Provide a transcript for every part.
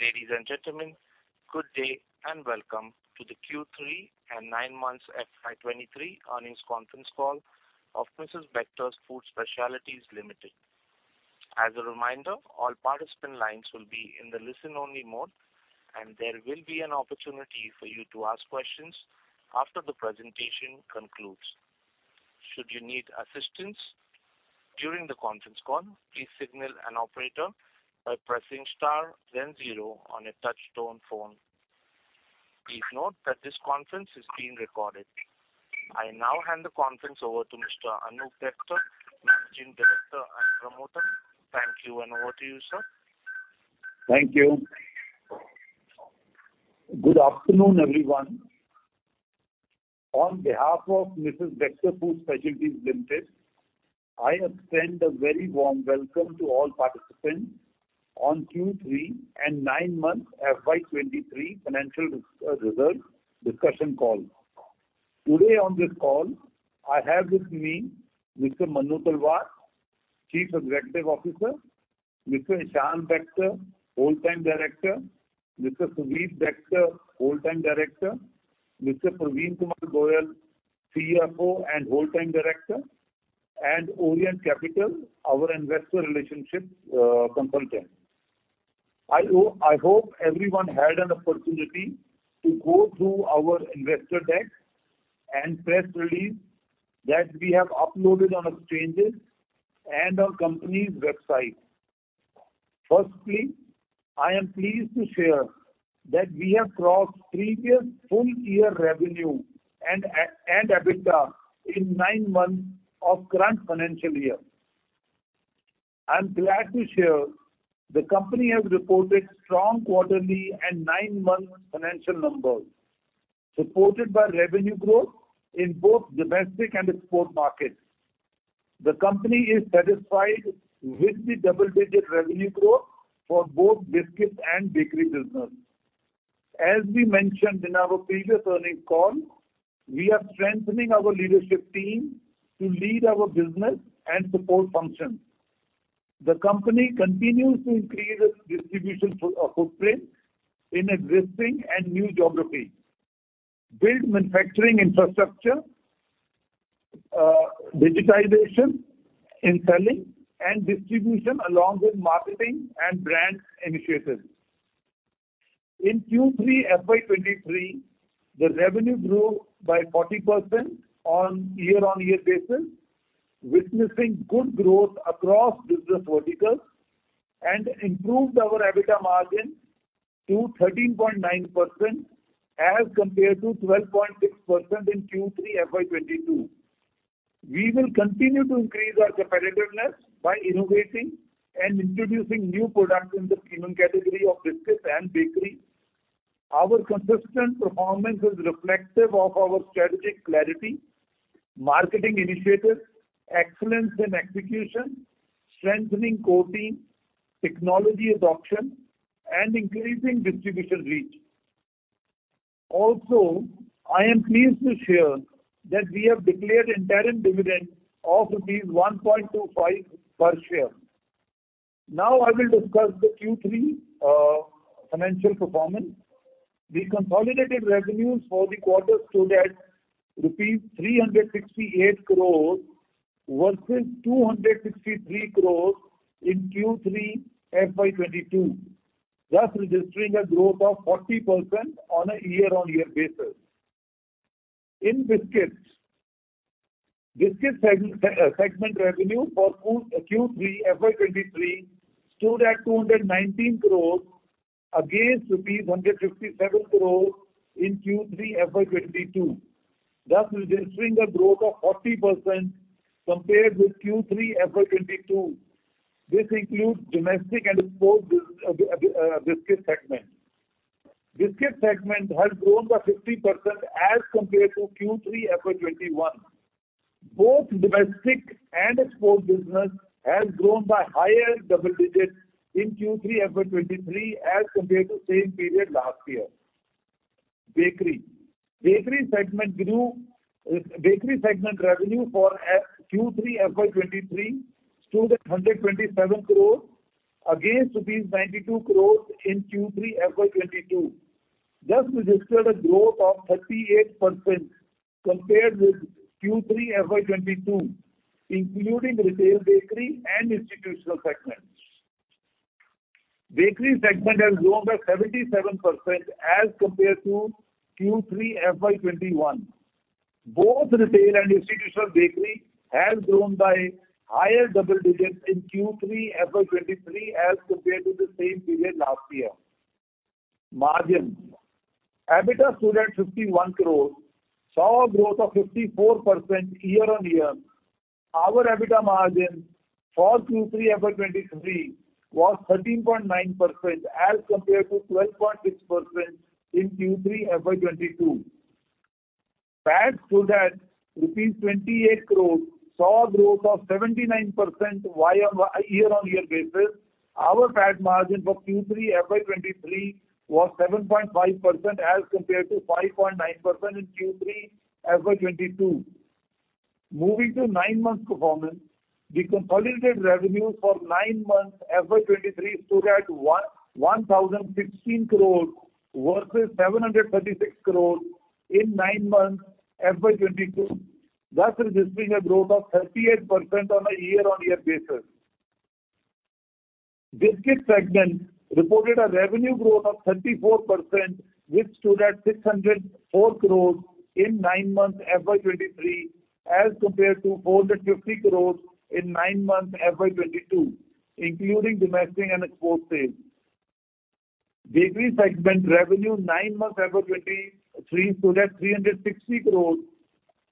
Ladies and gentlemen, good day, and Welcome to the Q3 and nine months FY 2023 Earnings Conference Call of Mrs. Bectors Food Specialities Limited. As a reminder, all participant lines will be in the listen-only mode, and there will be an opportunity for you to ask questions after the presentation concludes. Should you need assistance during the conference call, please signal an operator by pressing star then zero on a touchtone phone. Please note that this conference is being recorded. I now hand the conference over to Mr. Anoop Bector, Managing Director and Promoter. Thank you, and over to you, sir. Thank you. Good afternoon, everyone. On behalf of Mrs. Bectors Food Specialities Limited, I extend a very warm welcome to all participants on Q3 and nine-month FY 2023 financial results discussion call. Today, on this call, I have with me Mr. Manu Talwar, Chief Executive Officer, Mr. Ishaan Bector, Whole-time Director, Mr. Suvir Bector, Whole-time Director, Mr. Parveen Kumar Goel, CFO, and Whole-time Director, and Orient Capital, our investor relations consultant. I hope everyone had an opportunity to go through our investor deck and press release that we have uploaded on exchanges and our company's website. Firstly, I am pleased to share that we have crossed previous full year revenue and EBITDA in nine months of current financial year. I'm glad to share the company has reported strong quarterly and nine-month financial numbers, supported by revenue growth in both domestic and export markets. The company is satisfied with the double-digit revenue growth for both biscuits and bakery business. As we mentioned in our previous earnings call, we are strengthening our leadership team to lead our business and support functions. The company continues to increase its distribution footprint in existing and new geographies, build manufacturing infrastructure, digitization in selling and distribution, along with marketing and brand initiatives. In Q3 FY 2023, the revenue grew by 40% on year-on-year basis, witnessing good growth across business verticals and improved our EBITDA margin to 13.9% as compared to 12.6% in Q3 FY 2022. We will continue to increase our competitiveness by innovating and introducing new products in the premium category of biscuits and bakery. Our consistent performance is reflective of our strategic clarity, marketing initiatives, excellence in execution, strengthening core team, technology adoption, and increasing distribution reach. Also, I am pleased to share that we have declared interim dividend of rupees 1.25 per share. Now I will discuss the Q3 financial performance. The consolidated revenues for the quarter stood at rupees 368 crores, versus 263 crores in Q3 FY 2022, thus registering a growth of 40% on a year-on-year basis. In biscuits, biscuits segment revenue for Q3 FY 2023 stood at 219 crores against rupees 157 crores in Q3 FY 2022, thus registering a growth of 40% compared with Q3 FY 2022. This includes domestic and export biscuit segment. Biscuit segment has grown by 50% as compared to Q3 FY 2021. Both domestic and export business has grown by higher double digits in Q3 FY 2023 as compared to same period last year. Bakery. Bakery segment revenue for Q3 FY 2023 stood at INR 127 crore against INR 92 crore in Q3 FY 2022, thus registered a growth of 38% compared with Q3 FY 2022, including retail bakery and institutional segments. Bakery segment has grown by 77% as compared to Q3 FY 2021. Both retail and institutional bakery has grown by higher double digits in Q3 FY 2023 as compared to the same period last year. Margin. EBITDA stood at 51 crore, saw a growth of 54% year-on-year. Our EBITDA margin for Q3 FY 2023 was 13.9% as compared to 12.6% in Q3 FY 2022. PAT stood at rupees 28 crore, saw a growth of 79% Y on Y- year-on-year basis. Our PAT margin for Q3 FY 2023 was 7.5% as compared to 5.9% in Q3 FY 2022. Moving to nine months performance, the consolidated revenue for nine months FY 2023 stood at 1,016 crore, versus 736 crore in nine months, FY 2022, thus registering a growth of 38% on a year-on-year basis. Biscuit segment reported a revenue growth of 34%, which stood at 604 crore in nine months, FY 2023, as compared to 450 crore in nine months, FY 2022, including domestic and export sales. Bakery segment revenue, nine months, FY 2023, stood at 360 crore,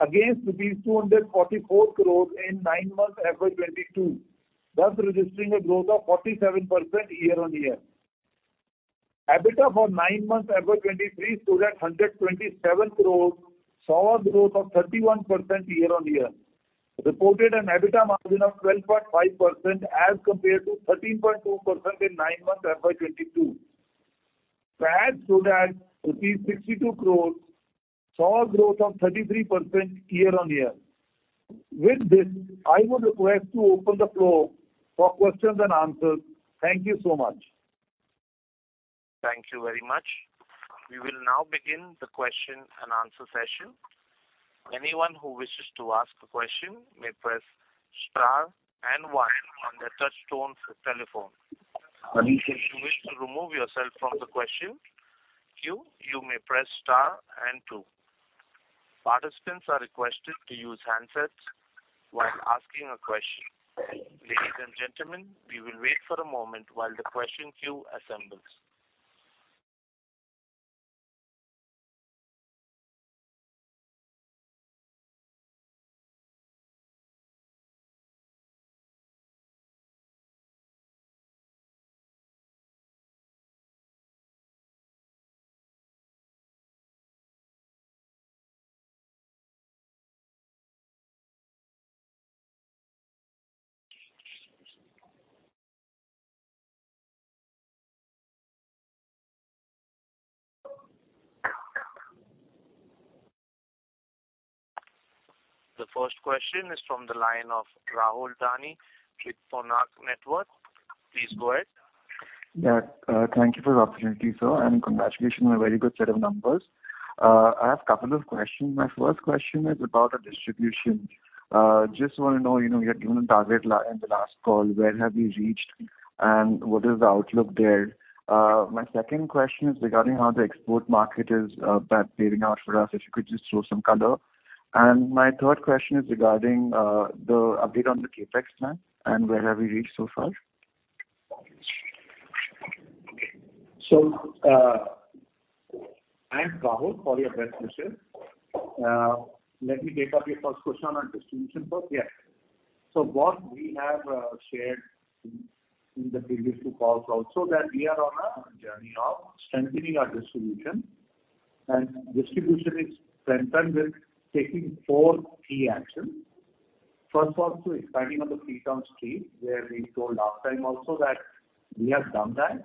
against 244 crore in nine months, FY 2022, thus registering a growth of 47% year-on-year. EBITDA for nine months, FY 2023, stood at 127 crore, saw a growth of 31% year-on-year, reported an EBITDA margin of 12.5% as compared to 13.2% in nine months, FY 2022. Sales stood at rupees 62 crore, saw a growth of 33% year-on-year. With this, I would request to open the floor for questions and answers. Thank you so much. Thank you very much. We will now begin the question and answer session. Anyone who wishes to ask a question may press star and one on their touchtone telephone. If you wish to remove yourself from the question queue, you may press star and two. Participants are requested to use handsets while asking a question. Ladies and gentlemen, we will wait for a moment while the question queue assembles. The first question is from the line of Rahul Dani, Monarch Networth Capital. Please go ahead. Yeah, thank you for the opportunity, sir, and congratulations on a very good set of numbers. I have a couple of questions. My first question is about the distribution. Just want to know, you know, you had given a target line in the last call, where have you reached, and what is the outlook there? My second question is regarding how the export market is panning out for us, if you could just throw some color. My third question is regarding the update on the CapEx plan and where have we reached so far? So, thanks, Rahul, for your best question. Let me take up your first question on distribution first. Yeah. So what we have shared in the previous two calls also, that we are on a journey of strengthening our distribution. And distribution is strengthened with taking four key actions. First of all, to expanding on the Feet on Street, where we told last time also that we have done that.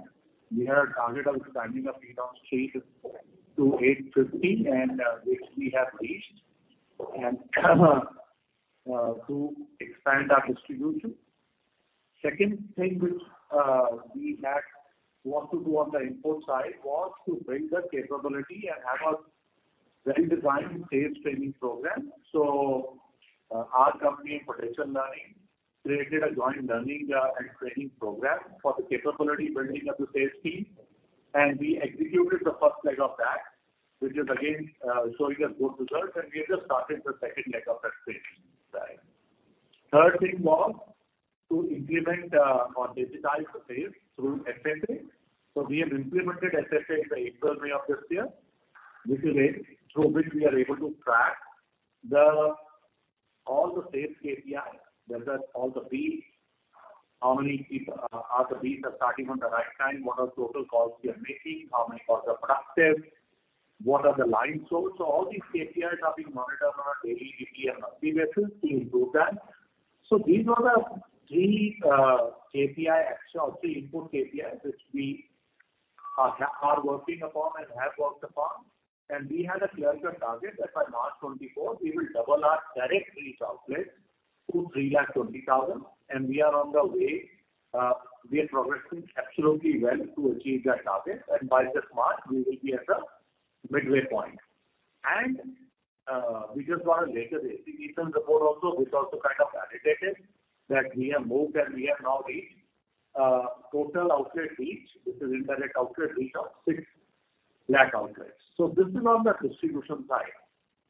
We had a target of expanding the Feet on Street to 850, and, which we have reached, and, to expand our distribution. Second thing which, we had want to do on the import side, was to bring the capability and have a well-designed sales training program. So, our company, Potential Learning, created a joint learning, and training program for the capability building of the sales team. We executed the first leg of that, which is again showing a good result, and we have just started the second leg of that training side. Third thing was to implement or digitize the sales through SFA. So we have implemented SFA in April, May of this year. This is a through which we are able to track the all the sales KPI, whether all the beats, how many people are the beats are starting on the right time, what are total calls we are making, how many calls are productive, what are the line source. So all these KPIs are being monitored on a daily, weekly, and monthly basis to improve that. So these are the three KPI action or three input KPIs, which we are are working upon and have worked upon. And we had a clear-cut target that by March 2024, we will double our direct reach outlet to 320,000, and we are on the way. We are progressing absolutely well to achieve that target, and by this March, we will be at the midway point. And we just got a latest AC Nielsen report also, which also kind of validated that we have moved and we have now reached total outlet reach, which is indirect outlet reach of 600,000 outlets. So this is on the distribution side.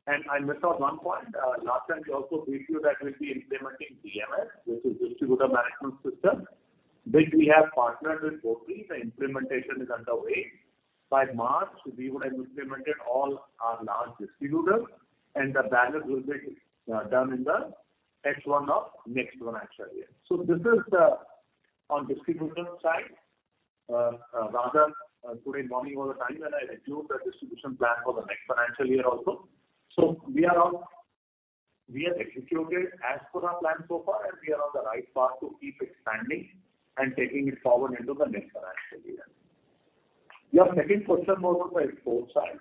And I missed out one point. Last time we also briefed you that we'll be implementing DMS, which is Distributor Management System, which we have partnered with Botree. The implementation is underway. By March, we would have implemented all our large distributors, and the balance will be done in the H1 of next financial year. So this is the on distributor side. Rather, this morning with the team, and I reviewed the distribution plan for the next financial year also. So we are on. We have executed as per our plan so far, and we are on the right path to keep expanding and taking it forward into the next financial year. Your second question was on the export side,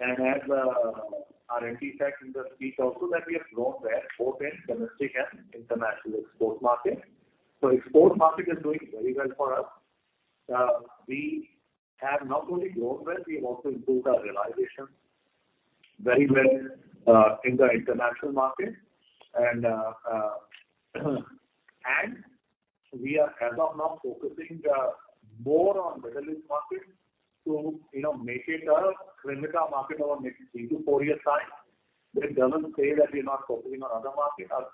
and as our MD said in the speech also, that we have grown there, both in domestic and international export market. So export market is doing very well for us. We have not only grown well, we have also improved our realization very well in the international market. And we are as of now focusing more on Middle East market to, you know, make it a critical market over the next three to four years' time. But it doesn't say that we are not focusing on other market. Our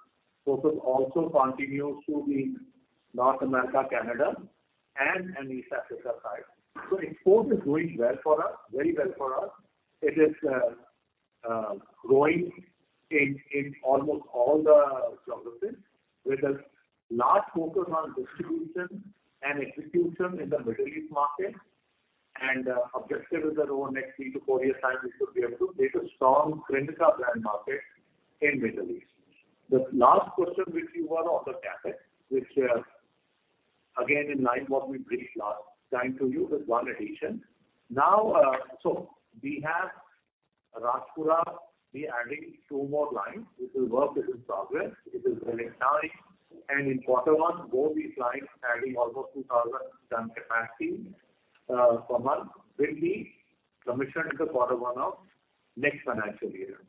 focus also continues to the North America, Canada, and East Africa side. So export is doing well for us, very well for us. It is growing in almost all the geographies, with a large focus on distribution and execution in the Middle East market, and objective is over the next three to four years' time is to be able to make a strong Cremica brand market in Middle East. The last question, which you were on the CapEx, which, again, in line what we briefed last time to you, with one addition. Now, so we have Rajpura, we adding two more lines. This is work, this is progress, it is well in time. And in quarter one, both these lines, adding almost 2,000-ton capacity per month, will be commissioned in the quarter one of next financial year.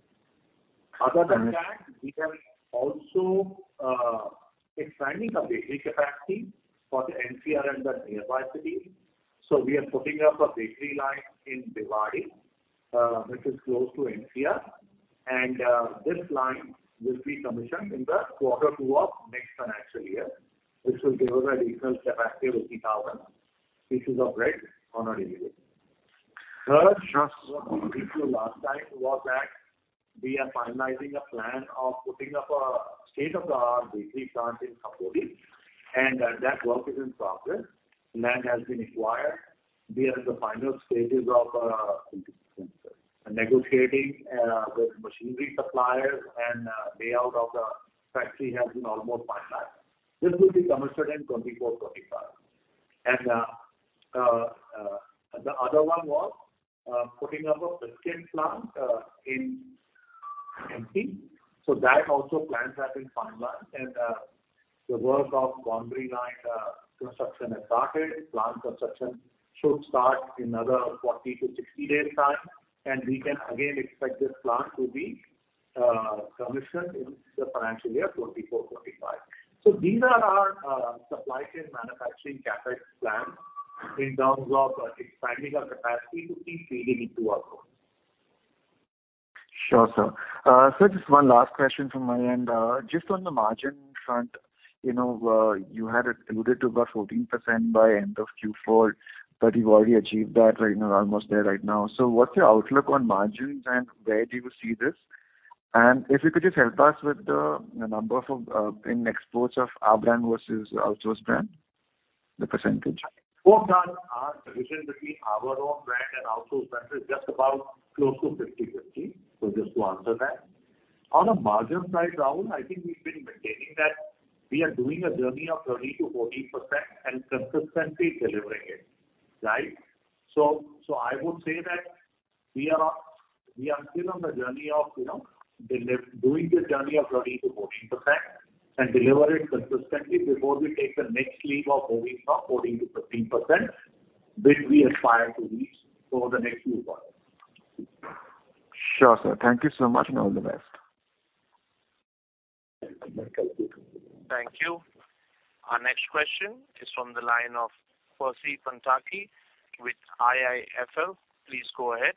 Other than that, we are also expanding the daily capacity for the NCR and the nearby cities. So we are putting up a bakery line in Bhiwadi, which is close to NCR, and this line will be commissioned in the quarter two of next financial year, which will give us an additional capacity of 8,000 pieces of bread on a daily. Third, what we told you last time was that we are finalizing a plan of putting up a state-of-the-art bakery plant in Khopoli, and that work is in progress. Land has been acquired. We are in the final stages of negotiating with machinery suppliers, and layout of the factory has been almost finalized. This will be commissioned in 2024 to 2025. The other one was putting up a biscuit plant in MP. So that also plans have been finalized, and the work of boundary line construction has started. Plant construction should start in another 40 to 60 days time, and we can again expect this plant to be commissioned in the financial year 2024 to 2025. So these are our supply chain manufacturing CapEx plan in terms of expanding our capacity to keep feeding into our growth. Sure, sir. Sir, just one last question from my end. Just on the margin front, you know, you had alluded to about 14% by end of Q4, but you've already achieved that, right? You're almost there right now. So what's your outlook on margins, and where do you see this? And if you could just help us with the number of, in exports of our brand versus outsourced brand, the percentage. Well done. Our division between our own brand and outsourced brand is just about close to 50/50. So just to answer that. On a margin side, Rahul, I think we've been maintaining that we are doing a journey of 30% to 40% and consistently delivering it, right? So, so I would say that we are, we are still on the journey of, you know, delivering this journey of 30% to 40%, and deliver it consistently before we take the next leap of moving from 14% to 15%, which we aspire to reach over the next few quarters. Sure, sir. Thank you so much, and all the best. Thank you. Thank you. Our next question is from the line of Percy Pantaki with IIFL. Please go ahead.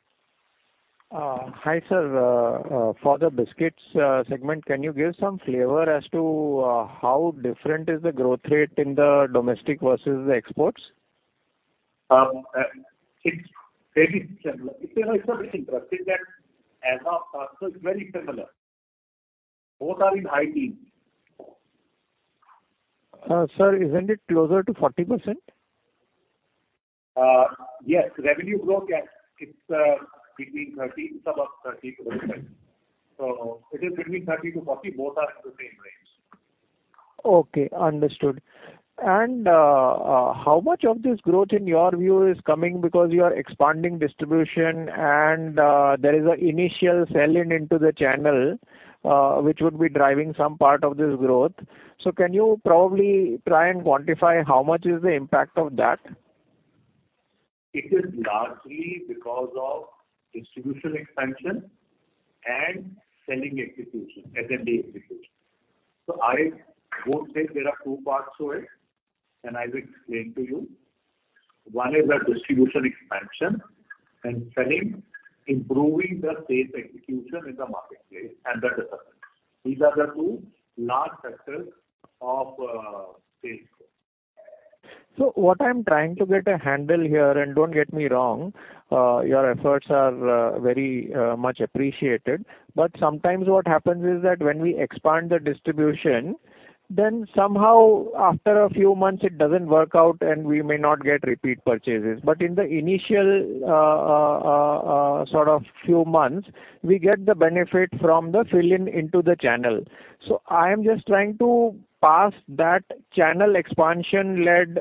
Hi, sir. For the biscuits segment, can you give some flavor as to how different is the growth rate in the domestic versus the exports? It's very similar. It's interesting that as of now, it's very similar. Both are in high teens. Sir, isn't it closer to 40%? Yes, revenue growth, yes, it's between 30, it's about 30%. So it is between 30 to 40, both are in the same range. Okay, understood. And, how much of this growth, in your view, is coming because you are expanding distribution and, there is an initial sell-in into the channel, which would be driving some part of this growth? So can you probably try and quantify how much is the impact of that? It is largely because of distribution expansion and selling execution, SMB execution. So I would say there are two parts to it, and I will explain to you. One is the distribution expansion and selling, improving the sales execution in the marketplace and the distribution. These are the two large factors of sales growth. So what I'm trying to get a handle here, and don't get me wrong, your efforts are very much appreciated. But sometimes what happens is that when we expand the distribution, then somehow after a few months, it doesn't work out, and we may not get repeat purchases. But in the initial, sort of few months, we get the benefit from the fill-in into the channel. So I am just trying to pass that channel expansion-led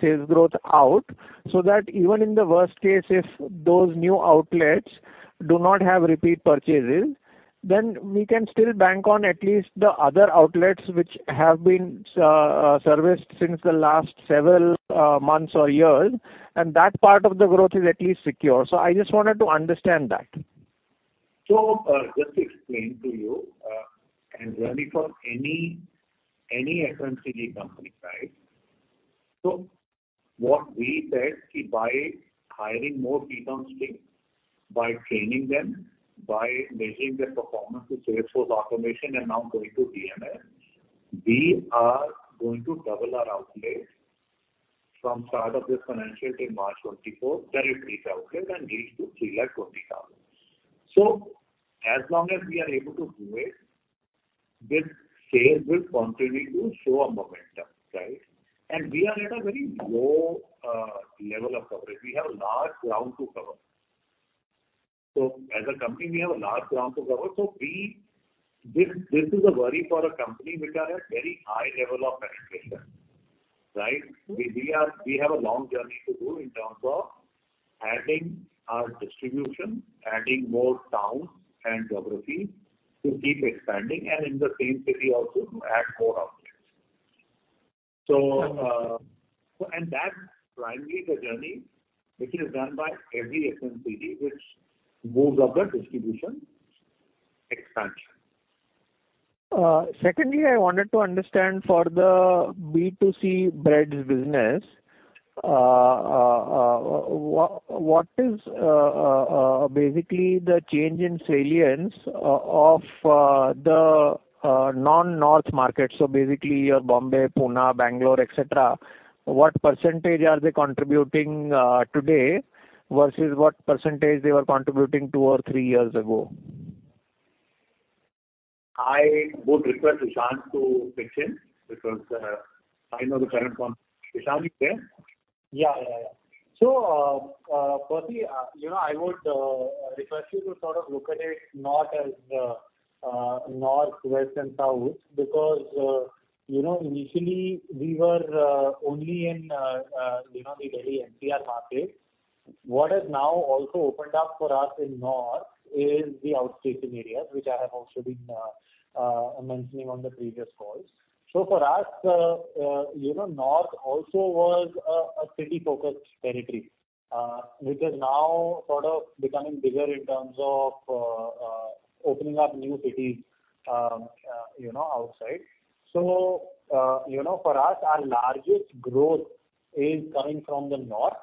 sales growth out, so that even in the worst case, if those new outlets do not have repeat purchases. Then we can still bank on at least the other outlets which have been serviced since the last several months or years, and that part of the growth is at least secure. So I just wanted to understand that. So, just to explain to you, and really for any, any FMCG company, right? So what we said, by hiring more people on street, by training them, by measuring their performance with sales force automation, and now going to DMS, we are going to double our outlets from start of this financial till March 2024, then increase our outlets and reach to 320,000. So as long as we are able to do it, this sales will continue to show a momentum, right? And we are at a very low level of coverage. We have a large ground to cover. So as a company, we have a large ground to cover, so we, this is a worry for a company which are at very high level of penetration, right? We have a long journey to do in terms of adding our distribution, adding more towns and geography to keep expanding, and in the same city also to add more outlets. So, and that's primarily the journey which is done by every FMCG, which moves up the distribution expansion. Secondly, I wanted to understand for the B2C breads business, what is basically the change in salience of the non-north market? So basically your Mumbai, Pune, Bengaluru, et cetera. What percentage are they contributing today versus what percentage they were contributing two or three years ago? I would request Nishant to pitch in, because, I know the current one. Nishant, are you there? Yeah, yeah, yeah. So, firstly, you know, I would request you to sort of look at it not as north, west, and south, because, you know, initially we were only in you know, the Delhi NCR market. What has now also opened up for us in north is the outstation areas, which I have also been mentioning on the previous calls. So for us, you know, north also was a city-focused territory, which is now sort of becoming bigger in terms of opening up new cities, you know, outside. You know, for us, our largest growth is coming from the north,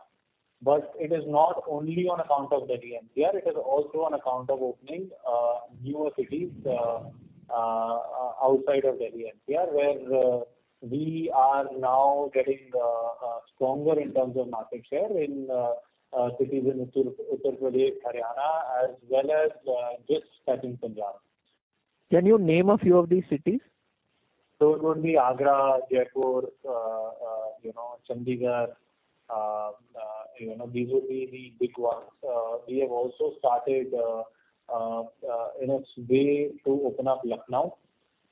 but it is not only on account of Delhi NCR. It is also on account of opening newer cities outside of Delhi NCR, where we are now getting stronger in terms of market share in cities in Uttar Pradesh, Haryana, as well as just starting Punjab. Can you name a few of these cities? So it would be Agra, Jaipur, you know, Chandigarh, you know, these would be the big ones. We have also started on its way to open up Lucknow,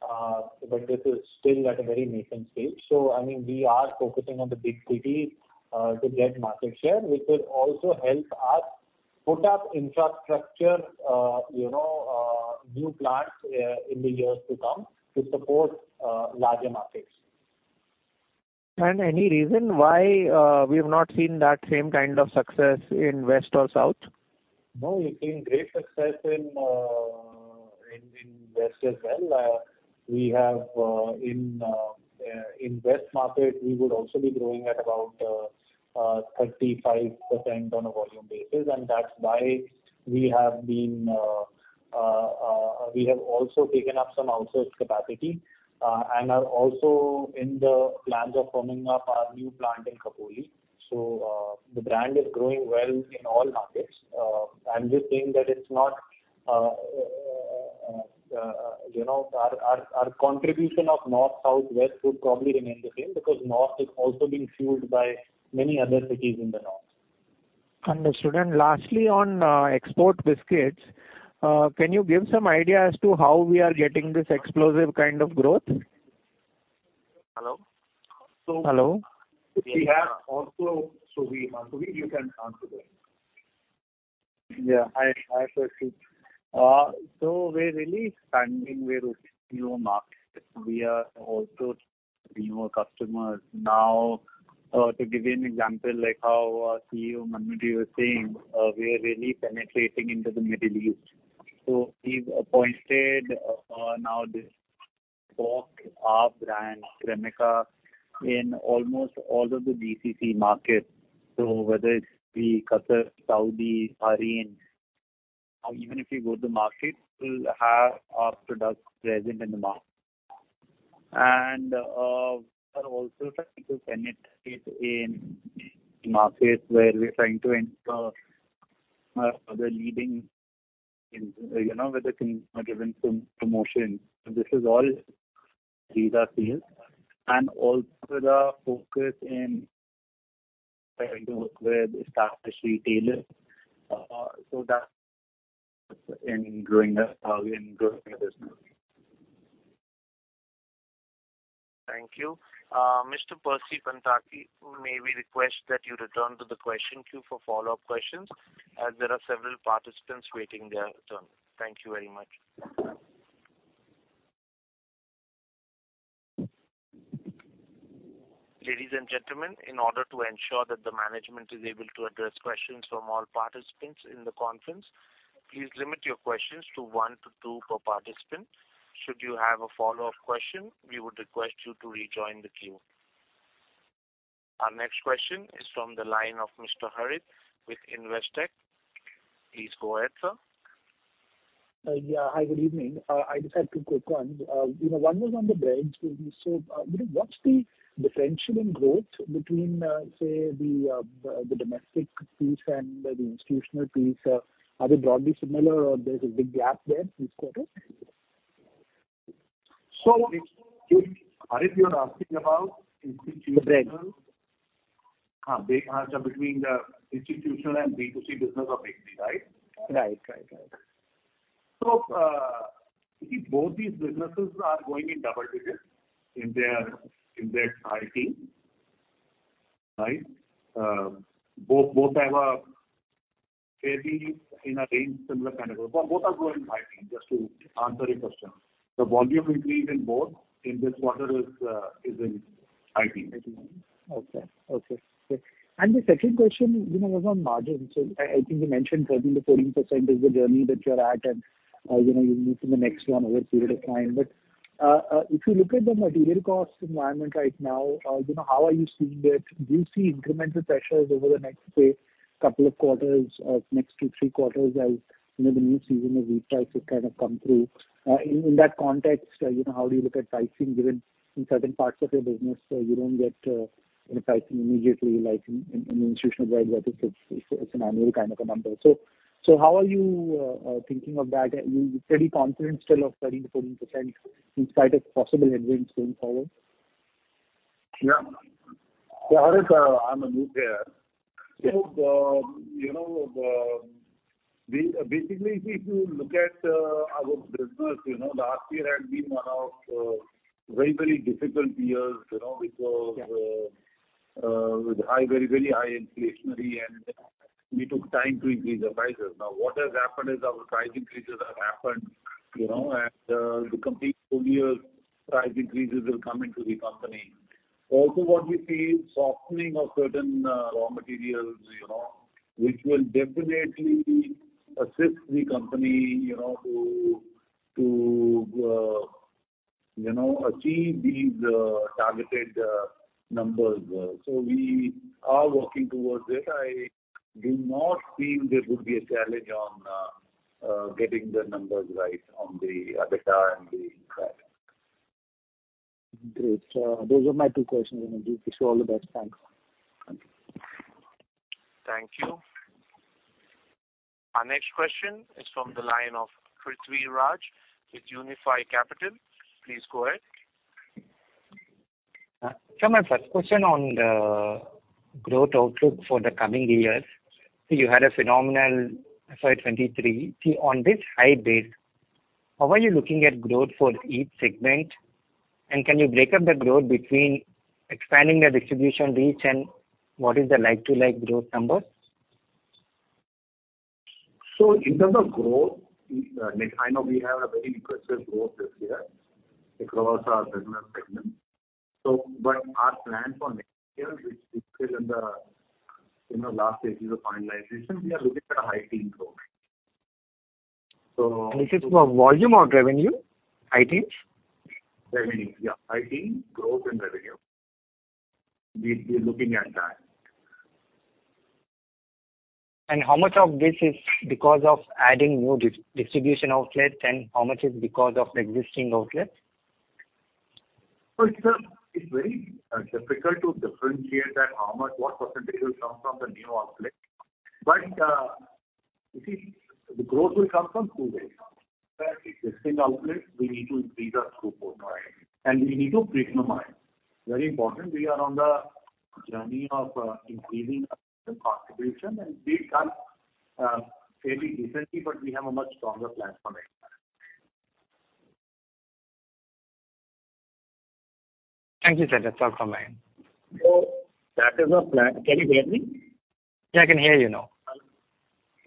but this is still at a very nascent stage. So, I mean, we are focusing on the big cities to get market share, which will also help us put up infrastructure, you know, new plants, in the years to come to support larger markets. Any reason why we have not seen that same kind of success in West or South? No, we've seen great success in West as well. We have, in West market, we would also be growing at about 35% on a volume basis, and that's why we have been, we have also taken up some outsourced capacity, and are also in the plans of opening up our new plant in Khopoli. So, the brand is growing well in all markets. I'm just saying that it's not, you know, our contribution of North, South, West would probably remain the same, because North is also being fueled by many other cities in the North. Understood. And lastly, on export biscuits, can you give some idea as to how we are getting this explosive kind of growth? Hello? Hello. We have also, Suvir, you can answer this. Yeah, hi, hi, Percy. So we're really expanding with new markets. We are also newer customers. Now, to give you an example, like how our CEO Manu was saying, we are really penetrating into the Middle East. So we've appointed now this talk of brand, Cremica, in almost all of the GCC markets. So whether it be Qatar, Saudi, Bahrain, or even if you go to the market, we'll have our products present in the market. And, we are also trying to penetrate in markets where we're trying to enter the leading, you know, where the things are given some promotion. This is all these are sales, and also the focus in trying to work with established retailers, so that in growing this, in growth- …Thank you. Mr. Percy Panthaki, may we request that you return to the question queue for follow-up questions, as there are several participants waiting their turn. Thank you very much. Ladies and gentlemen, in order to ensure that the management is able to address questions from all participants in the conference, please limit your questions to one to two per participant. Should you have a follow-up question, we would request you to rejoin the queue. Our next question is from the line of Mr. Harit with Investec. Please go ahead, sir. Yeah. Hi, good evening. I just had two quick ones. You know, one was on the brands. So, what's the differential in growth between, say, the domestic piece and the institutional piece? Are they broadly similar or there's a big gap there this quarter? So, Harit, you're asking about institutional- The brand. Between the institutional and B2C business of AP, right? Right. Right, right. So, both these businesses are going in double digits in their high teens, right? Both have a fairly similar kind of growth in a range. But both are growing high teens, just to answer your question. The volume increase in both in this quarter is in high teens. Okay. And the second question, you know, was on margins. So I think you mentioned 13% to 14% is the journey that you're at, and, you know, you'll move to the next one over a period of time. But if you look at the material cost environment right now, you know, how are you seeing it? Do you see incremental pressures over the next, say, couple of quarters or next two to three quarters as, you know, the new season of retail to kind of come through? In that context, you know, how do you look at pricing, given in certain parts of your business, so you don't get, you know, pricing immediately, like in institutional, where it's an annual kind of a number. So how are you thinking of that? Are you fairly confident still of 13% to 14% in spite of possible headwinds going forward? Yeah. So Harit, on Anuj here. So the, you know, the, basically, if you look at, our business, you know, the last year had been one of, very, very difficult years, you know, because, with high, very, very high inflationary, and we took time to increase our prices. Now, what has happened is our price increases have happened, you know, and, the complete full year price increases will come into the company. Also, what we see, softening of certain, raw materials, you know, which will definitely assist the company, you know, to, to, you know, achieve these, targeted, numbers. So we are working towards it. I do not feel there would be a challenge on, getting the numbers right on the EBITDA and the income. Great. So those are my two questions. And wish you all the best. Thanks. Thank you. Thank you. Our next question is from the line of Prithvi Raj with Unifi Capital. Please go ahead. So my first question on the growth outlook for the coming years. So you had a phenomenal FY 2023. On this high base, how are you looking at growth for each segment? And can you break up the growth between expanding the distribution reach and what is the like-to-like growth number? So in terms of growth, I know we have a very impressive growth this year across our business segment. So, but our plan for next year, which is still in the, you know, last stages of finalization, we are looking at a high-teens growth. So- This is for volume or revenue, high teens? Revenue, yeah. High teen growth in revenue. We, we're looking at that. How much of this is because of adding new distribution outlets, and how much is because of the existing outlets? So it's very difficult to differentiate that how much, what percentage will come from the new outlet. But you see, the growth will come from two ways. The existing outlets, we need to increase our throughput and we need to premiumize. Very important, we are on the journey of increasing our contribution, and we've done fairly decently, but we have a much stronger plan for next year. Thank you, sir. That's all from my end. That is our plan. Can you hear me? Yeah, I can hear you now.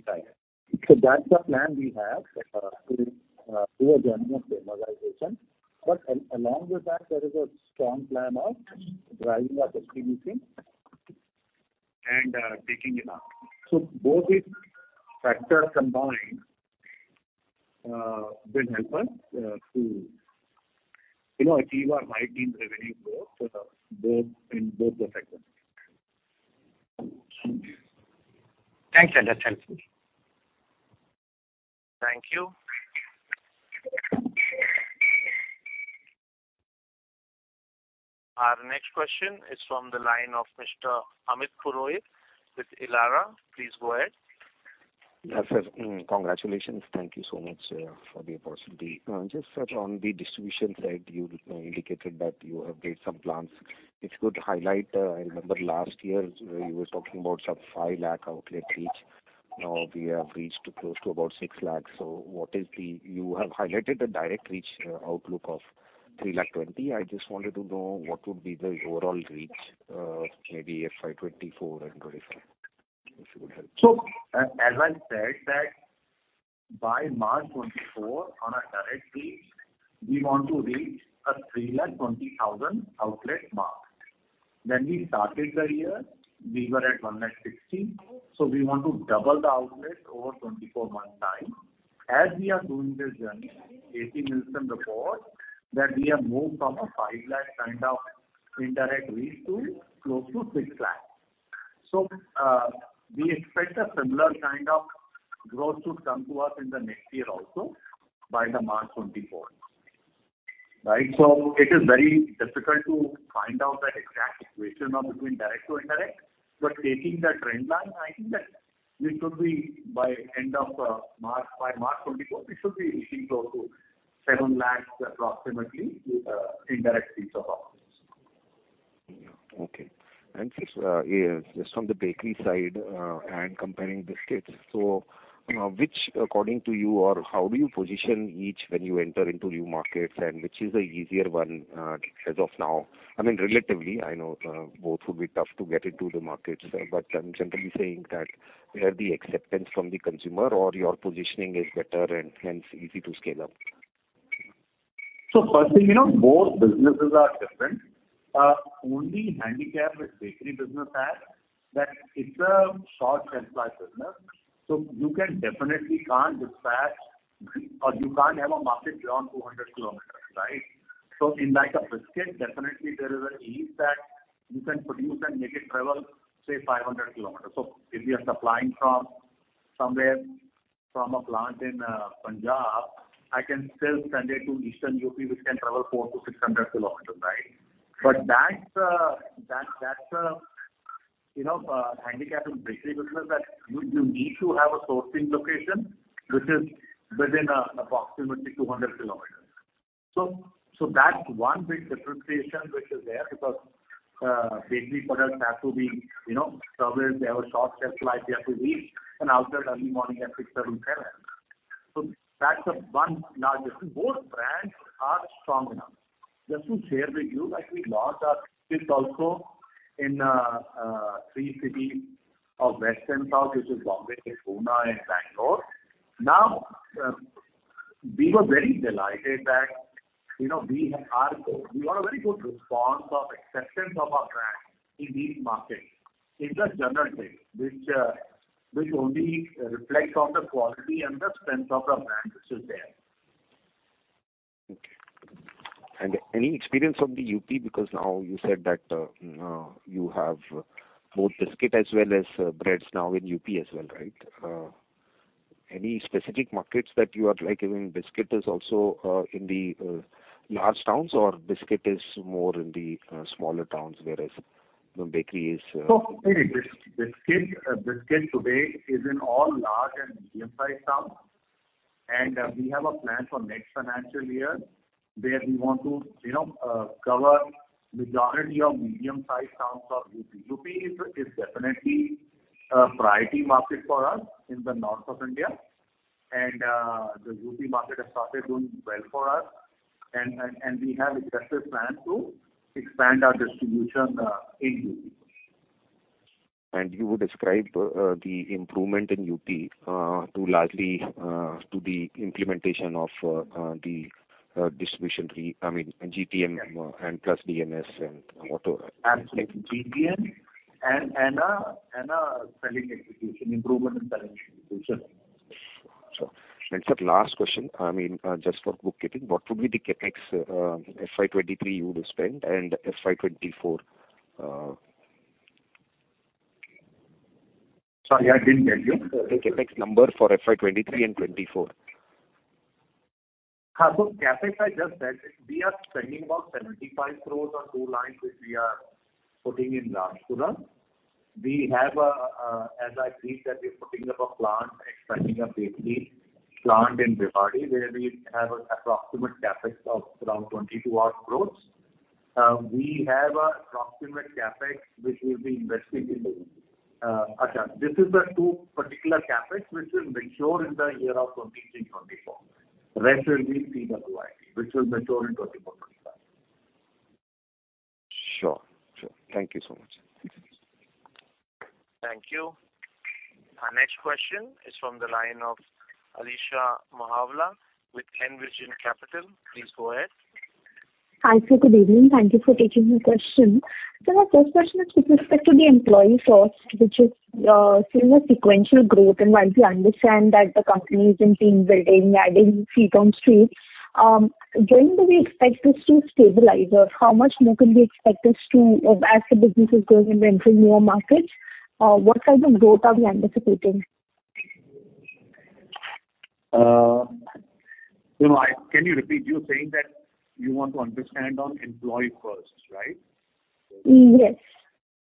Right. So that's the plan we have, to do a journey of premiumization. But along with that, there is a strong plan of driving our distribution and taking it up. So both these factors combined, will help us, to you know, achieve our high teen revenue growth, so the both, in both the segments. Thanks, sir. That's helpful. Thank you. Our next question is from the line of Mr. Amit Purohit with Elara. Please go ahead. Yes, sir. Congratulations. Thank you so much for the opportunity. Just sir, on the distribution side, you indicated that you have made some plans. If you could highlight, I remember last year you were talking about some 5 lakh outlet reach. Now we have reached to close to about 6 lakhs. So what is the, you have highlighted the direct reach outlook of 3 lakh 20. I just wanted to know what would be the overall reach, maybe FY 2024 and going forward, if you would help. So, as I said that by March 2024, on a direct reach, we want to reach a 320,000 outlet mark. When we started the year, we were at 160,000, so we want to double the outlet over 24-month time. As we are doing this journey, AC Nielsen reports that we have moved from a 500,000 kind of indirect reach to close to 600,000. So, we expect a similar kind of growth to come to us in the next year also, by March 2024. Right? So it is very difficult to find out the exact equation of between direct to indirect, but taking the trend line, I think that it will be by end of March 2024, it should be reaching close to 700,000, approximately, with indirect reach of ours. Okay. And just, yes, just from the bakery side, and comparing the states, so, you know, which according to you, or how do you position each when you enter into new markets, and which is the easier one, as of now? I mean, relatively, I know, both would be tough to get into the markets, but I'm generally saying that where the acceptance from the consumer or your positioning is better and hence easy to scale up. So firstly, you know, both businesses are different. Only handicap which bakery business has, that it's a short shelf life business, so you can definitely can't dispatch, or you can't have a market beyond 200 kilometers, right? So in like a biscuit, definitely there is an ease that you can produce and make it travel, say, 500 kilometers. So if you are supplying from somewhere, from a plant in Punjab, I can still send it to eastern UP, which can travel 400 to 600 kilometers, right? But that's, you know, handicap in bakery business, that you need to have a sourcing location which is within approximately 200 kilometers. So, so that's one big differentiation which is there, because bakery products have to be, you know, serviced, they have a short shelf life, they have to reach an outlet early morning at six, seven, 10. So that's the one large difference. Both brands are strong enough. Just to share with you, like, we launched our biscuit also in three cities of west and south, which is Mumbai, Pune and Bengaluru. Now, we were very delighted that, you know, we got a very good response of acceptance of our brand in these markets. It's a general thing, which only reflects on the quality and the strength of our brand, which is there. Okay. And any experience from the UP? Because now you said that, you have both biscuit as well as, breads now in UP as well, right? Any specific markets that you are like, even biscuit is also, in the, large towns, or biscuit is more in the, smaller towns, whereas the bakery is. So, biscuits today is in all large and medium-sized towns. And we have a plan for next financial year, where we want to, you know, cover majority of medium-sized towns of UP. UP is definitely a priority market for us in the north of India. And the UP market has started doing well for us, and we have aggressive plans to expand our distribution in UP. You would describe the improvement in UP to largely to the implementation of the distribution tree, I mean, GTM and plus DMS and auto. Absolutely. GTM and selling execution, improvement in selling execution. Sure. And sir, last question, I mean, just for bookkeeping, what would be the CapEx, FY 2023 you would spend and FY 2024? Sorry, I didn't get you. The CapEx number for FY 2023 and 2024. So CapEx, I just said, we are spending about 75 crore on two lines, which we are putting in Nashik. We have, as I briefed that we're putting up a plant and expanding a bakery plant in Bhiwadi, where we have an approximate CapEx of around 22 odd crore. We have an approximate CapEx, which we'll be investing in the... Okay, this is the two particular CapEx, which will mature in the year of 2023 to 2024. Rest will be CWIP, which will mature in 2024 to 2025. Sure. Sure. Thank you so much. Thank you. Our next question is from the line of Alisha Mahawla with Envision Capital. Please go ahead. Hi, sir, good evening. Thank you for taking my question. So my first question is with respect to the employee expense, which is seeing a sequential growth, and while we understand that the company is in team building, adding feet on street, when do we expect this to stabilize? Or how much more can we expect this to... As the business is growing and entering new markets, what type of growth are we anticipating? You know, can you repeat? You're saying that you want to understand on employee first, right? Yes.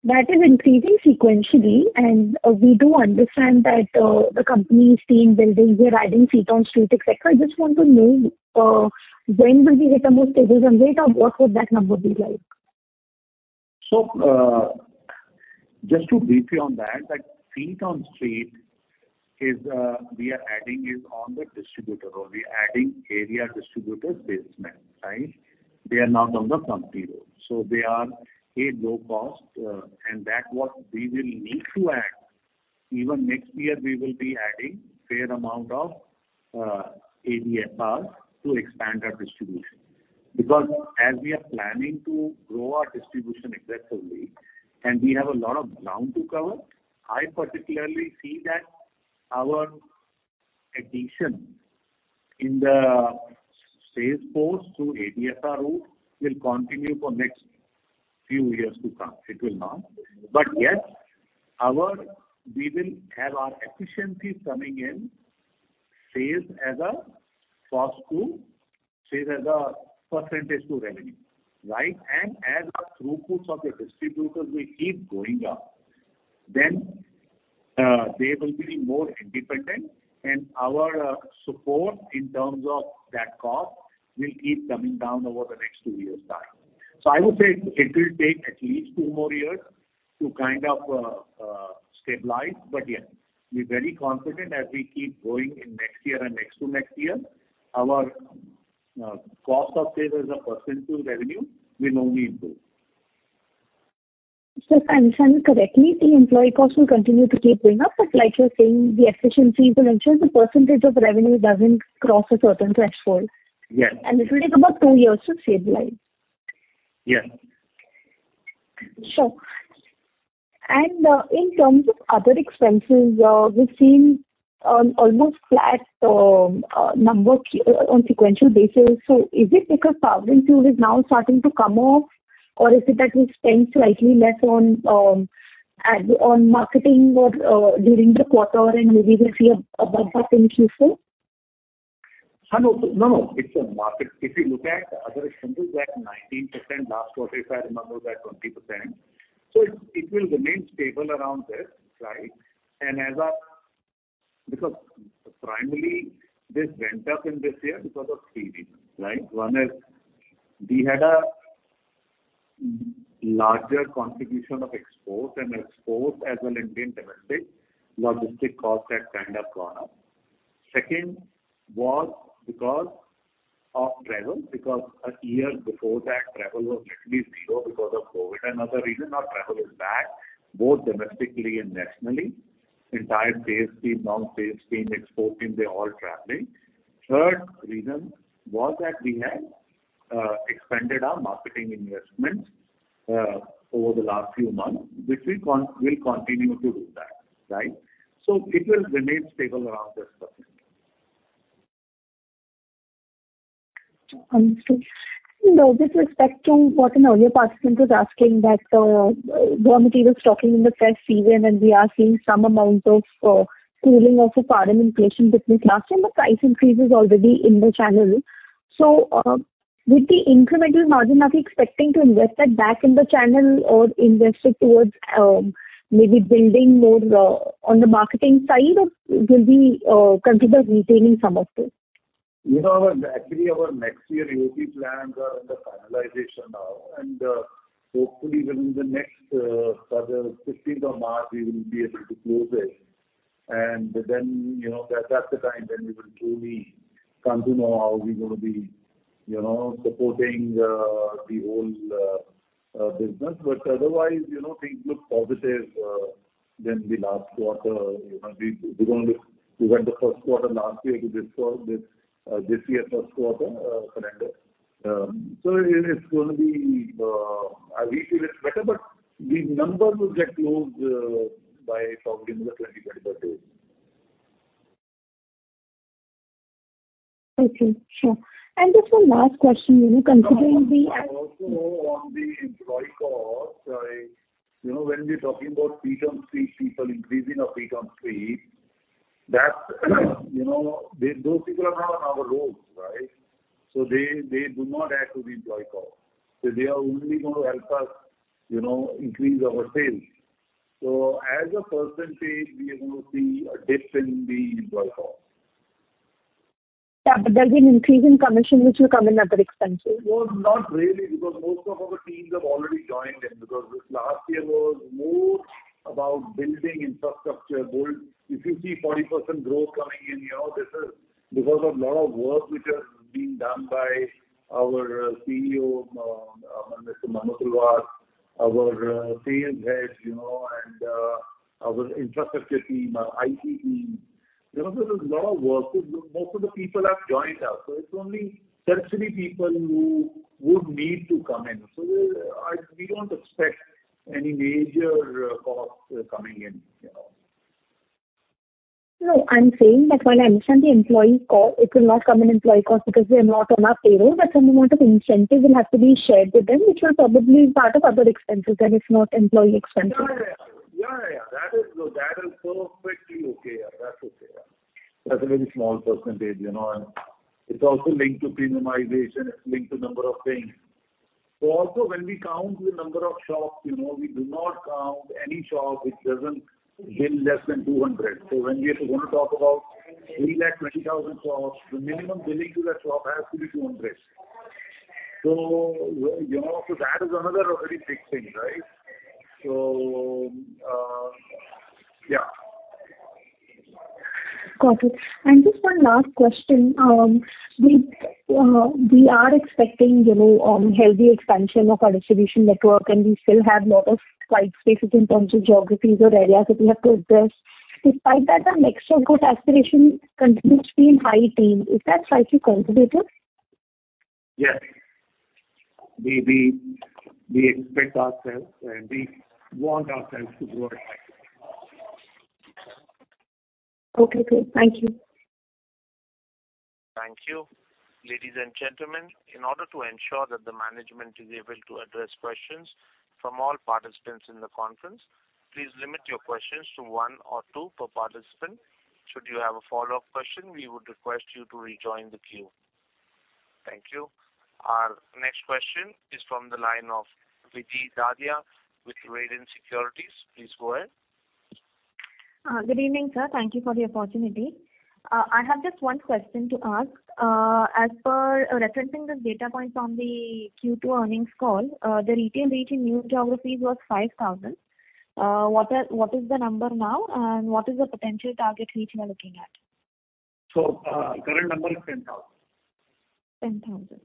That is increasing sequentially, and we do understand that the company is team building. They're adding feet on street, et cetera. I just want to know when will we get a more stable run rate, or what would that number be like?... So, just to briefly on that, that feet on street is, we are adding is on the distributor or we're adding area distributor basement, right? They are not on the company rolls. So they are a low cost, and that what we will need to add. Even next year, we will be adding fair amount of, ADFRs to expand our distribution. Because as we are planning to grow our distribution aggressively, and we have a lot of ground to cover, I particularly see that our addition in the sales force through ADFR route will continue for next few years to come. It will not. But yes, our, we will have our efficiency coming in, sales as a cost to, sales as a percentage to revenue, right? As our throughputs of the distributors will keep going up, then, they will be more independent, and our support in terms of that cost will keep coming down over the next two years' time. So I would say it will take at least two more years to kind of stabilize. But yes, we're very confident as we keep growing in next year and next to next year, our cost of sales as a percent to revenue will only improve. If I understand correctly, the employee costs will continue to keep going up, but like you're saying, the efficiencies will ensure the percentage of revenue doesn't cross a certain threshold? Yes. It will take about two years to stabilize. Yes. Sure. And, in terms of other expenses, we've seen almost flat number on sequential basis. So is it because power fuel is now starting to come off, or is it that we spend slightly less on marketing or during the quarter, and maybe we'll see a bump up in future? I know. No, no, it's a market. If you look at other expenses at 19%, last quarter, if I remember, was at 20%. So it will remain stable around this, right? And because primarily, this went up in this year because of 3 reasons, right? One is, we had a larger contribution of exports, and exports as well Indian domestic, logistic costs had kind of gone up. Second was because of travel, because a year before that, travel was literally zero because of COVID. And another reason, our travel is back, both domestically and nationally. Entire sales team, non-sales team, export team, they're all traveling. Third reason was that we had expanded our marketing investments over the last few months, which we'll continue to do that, right? So it will remain stable around this percentage. Understood. With respect to what an earlier participant was asking, that, raw material stocking in the first season, and we are seeing some amount of, cooling of the power and inflation between last year, but price increase is already in the channel. So, with the incremental margin, are we expecting to invest that back in the channel or invested towards, maybe building more, on the marketing side, or will we, consider retaining some of this? You know, actually, our next year AOP plans are under finalization now, and, hopefully within the next, further 15th of March, we will be able to close it. And then, you know, at that time, then we will truly come to know how we're gonna be, you know, supporting, the whole, business. But otherwise, you know, things look positive, than the last quarter. You know, we, we're going to we went the Q1 last year to this quarter, this, this year, Q1, calendar. So it, it's going to be, I believe it's better, but the numbers will get closed, by probably in the 2022. Okay, sure. And just one last question, are you considering the- Also on the employee cost, you know, when we're talking about feet on street, people increasing our feet on street, that's, you know, those people are not on our roads, right? So they, they do not add to the employee cost. So as a percentage, we are going to see a dip in the employee cost. But there'll be an increase in commission, which will come in other expenses. Well, not really, because most of our teams have already joined in, because this last year was more about building infrastructure. Well, if you see 40% growth coming in, you know, this is because of a lot of work which has been done by our CEO, Mr. Manu Talwar, our sales heads, you know, and our infrastructure team, our IT team. You know, there was a lot of work, so most of the people have joined us. So it's only certain people who would need to come in. So we don't expect any major costs coming in, you know. No, I'm saying that when I understand the employee cost, it will not come in employee cost because they are not on our payroll, but some amount of incentive will have to be shared with them, which was probably part of other expenses, and it's not employee expenses. Yeah, yeah, yeah. That is, that is perfectly okay. That's okay. That's a very small percentage, you know, and it's also linked to premiumization, it's linked to number of things. So also, when we count the number of shops, you know, we do not count any shop which doesn't bill less than 200. So when we are going to talk about 320,000 shops, the minimum billing to that shop has to be 200. So, you know, so that is another very big thing, right? So, yeah. ... Got it. Just one last question. We are expecting, you know, healthy expansion of our distribution network, and we still have a lot of white spaces in terms of geographies or areas that we have to address. Despite that, our next store growth aspiration continues to be in high teens. Is that slightly conservative? Yes. We expect ourselves and we want ourselves to grow higher. Okay, cool. Thank you. Thank you. Ladies and gentlemen, in order to ensure that the management is able to address questions from all participants in the conference, please limit your questions to one or two per participant. Should you have a follow-up question, we would request you to rejoin the queue. Thank you. Our next question is from the line of Vidhi Dadia with Raedan Securities. Please go ahead. Good evening, sir. Thank you for the opportunity. I have just one question to ask. As per referencing the data points on the Q2 earnings call, the retail reach in new geographies was 5,000. What are-- what is the number now, and what is the potential target reach we are looking at? Current number is 10,000. Ten thousand.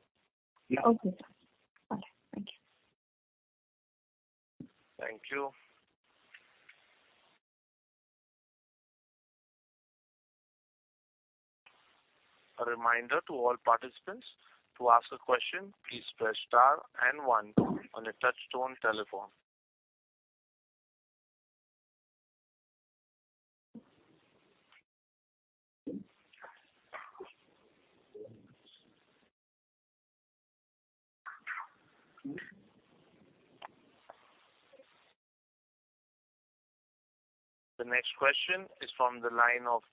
Yeah. Okay, sir. All right. Thank you. Thank you. A reminder to all participants, to ask a question, please press star and one on your touchtone telephone. The next question is from the line of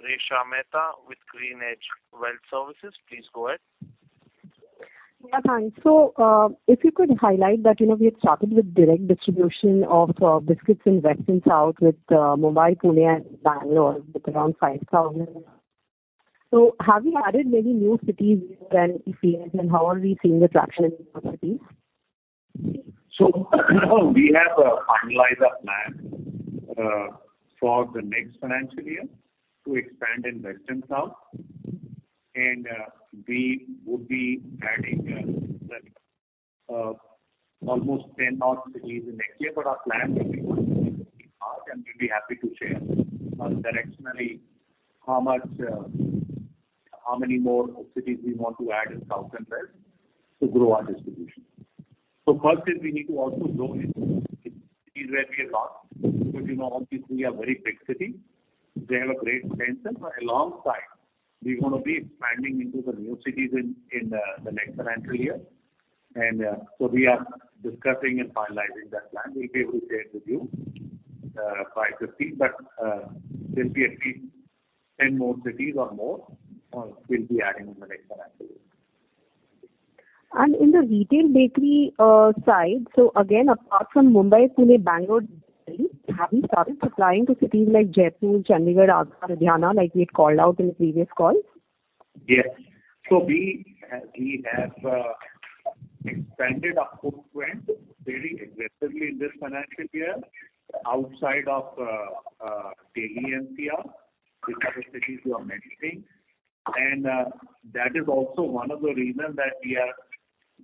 Resha Mehta with GreenEdge Wealth Services. Please go ahead. Yeah, thanks. So, if you could highlight that, you know, we had started with direct distribution of biscuits in western south with Mumbai, Pune and Bangalore, with around 5,000. So have you added maybe new cities where you can see it, and how are we seeing the traction in those cities? So we have finalized a plan for the next financial year to expand in western south. And we would be adding the almost 10 more cities in next year. But our plan will be out, and we'll be happy to share directionally, how much, how many more cities we want to add in south and west to grow our distribution. So first is, we need to also grow into cities where we are not, because, you know, all these three are very big cities. They have a great potential, but alongside, we want to be expanding into the new cities in the next financial year. And so we are discussing and finalizing that plan. We'll be able to share it with you by 50. But, there'll be at least 10 more cities or more, we'll be adding in the next financial year. In the retail bakery side, so again, apart from Mumbai, Pune, Bengaluru, have you started supplying to cities like Jaipur, Chandigarh, Agra, Ludhiana, like we had called out in the previous calls? Yes. So we have expanded our footprint very aggressively in this financial year outside of Delhi NCR, which are the cities you are mentioning. And that is also one of the reasons that we are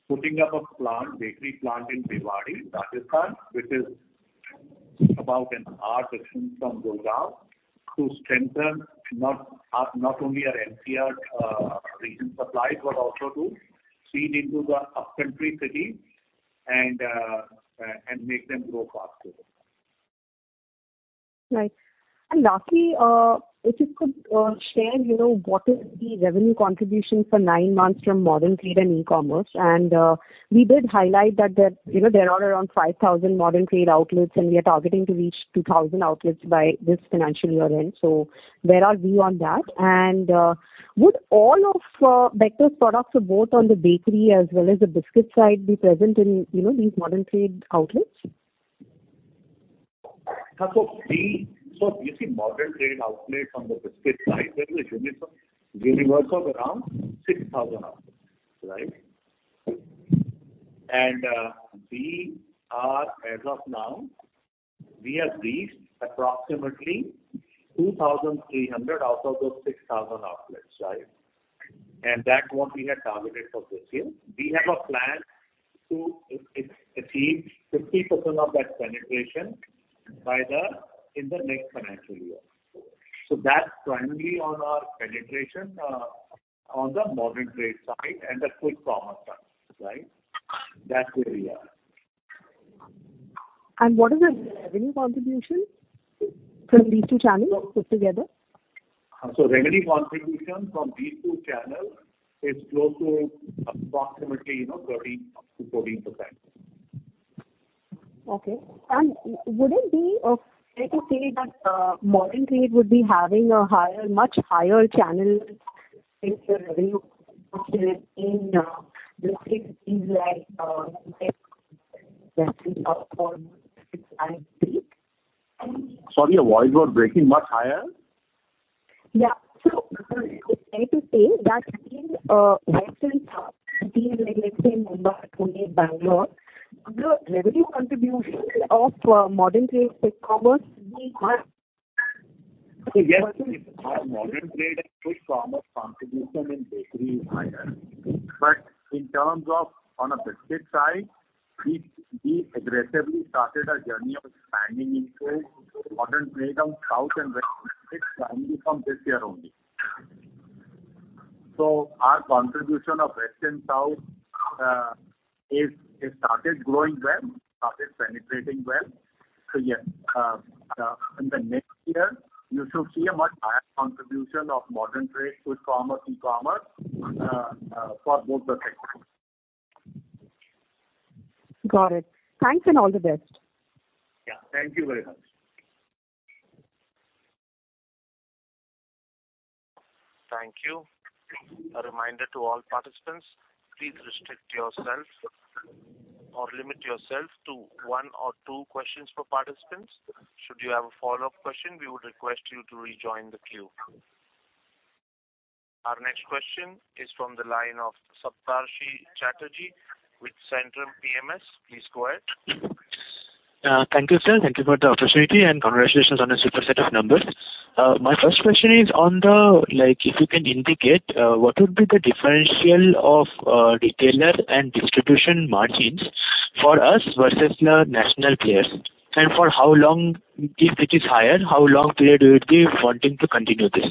putting up a plant, bakery plant in Bhiwadi, Rajasthan, which is about an hour distance from Gurgaon, to strengthen not only our NCR region supplies, but also to feed into the upcountry cities and make them grow faster. Right. And lastly, if you could share, you know, what is the revenue contribution for nine months from modern trade and e-commerce? And, we did highlight that there, you know, there are around 5,000 modern trade outlets, and we are targeting to reach 2,000 outlets by this financial year end. So where are we on that? And, would all of Bector's products are both on the bakery as well as the biscuit side, be present in, you know, these modern trade outlets? So if you see modern trade outlets on the biscuit side, there is a universe of around 6,000 outlets, right? And we are as of now we have reached approximately 2,300 out of those 6,000 outlets, right? And that's what we had targeted for this year. We have a plan to achieve 50% of that penetration in the next financial year. So that's primarily on our penetration on the modern trade side and the food commerce side, right? That's where we are. What is the revenue contribution from these two channels put together? Revenue contribution from these two channels is close to approximately, you know, 13% to 14%. Okay. And would it be fair to say that, modern trade would be having a higher, much higher channel in the revenue in, biscuits things like, Sorry, your voice was breaking. Much higher? Yeah... safe to say that in west and south, in, let's say, Mumbai, Pune, Bengaluru, the revenue contribution of modern trade food commerce will be high? So yes, our modern trade food commerce contribution in bakery is higher. But in terms of on a biscuit side, we aggressively started our journey of expanding into modern trade on south and west, mainly from this year only. So our contribution of west and south is it started growing well, started penetrating well. So yes, in the next year, you should see a much higher contribution of modern trade, food commerce, e-commerce for both the sectors. Got it. Thanks, and all the best. Yeah, thank you very much. Thank you. A reminder to all participants, please restrict yourself or limit yourself to one or two questions per participants. Should you have a follow-up question, we would request you to rejoin the queue. Our next question is from the line of Saptarshi Chatterjee with Centrum PMS. Please go ahead. Thank you, sir. Thank you for the opportunity, and congratulations on a super set of numbers. My first question is on the, like, if you can indicate, what would be the differential of, retailer and distribution margins for us versus the national players? And for how long, if it is higher, how long period do you give wanting to continue this?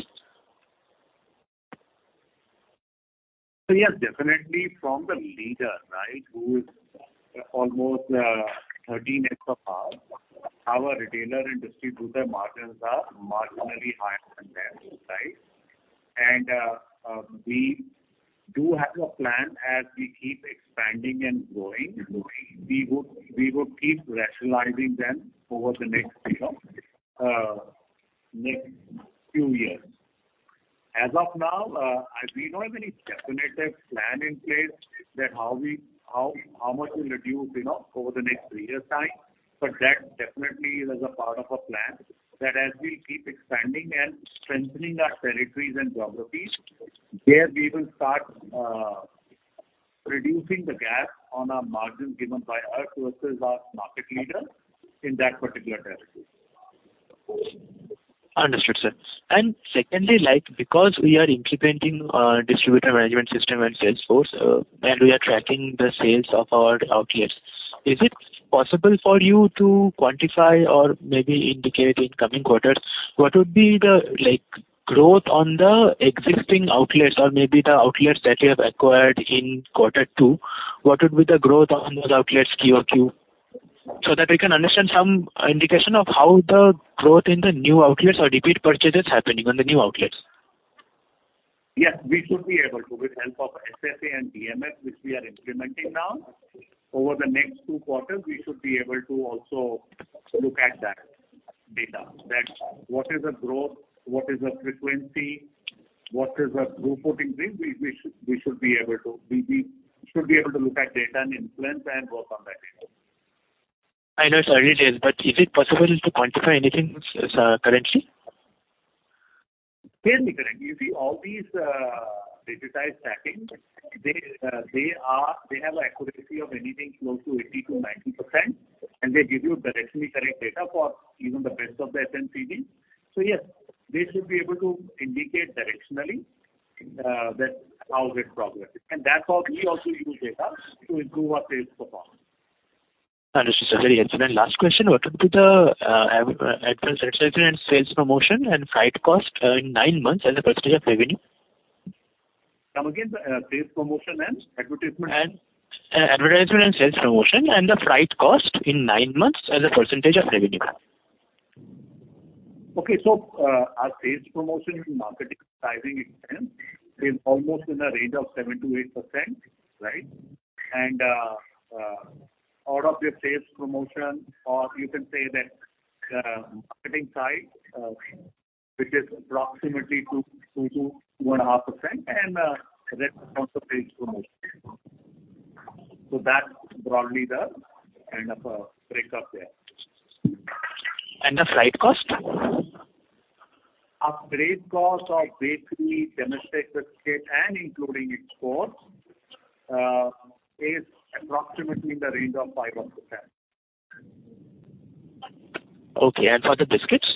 So yes, definitely from the leader, right, who is almost 13x of ours. Our retailer and distributor margins are marginally higher than their size. And, we do have a plan as we keep expanding and growing, we would, we would keep rationalizing them over the next, you know, next few years. As of now, we don't have any definitive plan in place that how much we'll reduce, you know, over the next three years' time, but that definitely is a part of our plan, that as we keep expanding and strengthening our territories and geographies, there we will start reducing the gap on our margins given by us versus our market leader in that particular territory. Understood, sir. And secondly, like, because we are implementing distributor management system and sales force, and we are tracking the sales of our outlets, is it possible for you to quantify or maybe indicate in coming quarters, what would be the, like, growth on the existing outlets, or maybe the outlets that you have acquired in quarter two? What would be the growth on those outlets Q over Q, so that we can understand some indication of how the growth in the new outlets or repeat purchase is happening on the new outlets? Yes, we should be able to, with help of SFA and DMS, which we are implementing now. Over the next two quarters, we should be able to also look at that data, that what is the growth, what is the frequency, what is the throughputing thing? We should be able to look at data and influence and work on that data. I know, sir, it is. But is it possible to quantify anything, currently? Clearly, currently. You see, all these digitized tracking, they, they have accuracy of anything close to 80% to 90%, and they give you directionally correct data for even the best of the FMCG. So yes, they should be able to indicate directionally that how it progresses. And that's how we also use data to improve our sales performance. Understood, sir. Very excellent. Last question: What would be the advertisement and sales promotion and freight cost in nine months as a % of revenue? Come again, sales promotion and advertisement? Advertisement and sales promotion, and the freight cost in nine months as a percentage of revenue. Okay, so, our sales promotion in marketing sizing expense is almost in the range of 7% to 8%, right? And, out of the sales promotion, or you can say that, marketing side, which is approximately 2% to 2.5%, and, that's also sales promotion. So that's broadly the kind of breakup there. And the freight cost? Our freight cost, basically domestic and including exports, is approximately in the range of 5.1%. Okay. For the biscuits?